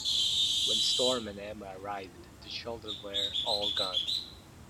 When Storm and Emma arrived, the children were all gone.